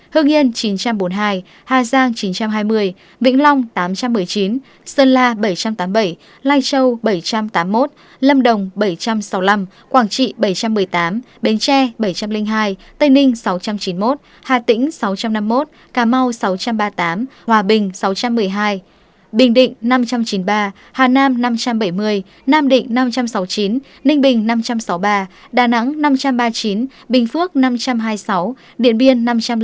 hương yên chín trăm bốn mươi hai hà giang chín trăm hai mươi vĩnh long tám trăm một mươi chín sơn la bảy trăm tám mươi bảy lai châu bảy trăm tám mươi một lâm đồng bảy trăm sáu mươi năm quảng trị bảy trăm một mươi tám bến tre bảy trăm linh hai tây ninh sáu trăm chín mươi một hà tĩnh sáu trăm năm mươi một cà mau sáu trăm ba mươi tám hòa bình sáu trăm một mươi hai bình định năm trăm chín mươi ba hà nam năm trăm bảy mươi nam định năm trăm sáu mươi chín ninh bình năm trăm sáu mươi ba đà nẵng năm trăm ba mươi chín bình phước năm trăm hai mươi sáu điện biên năm trăm linh sáu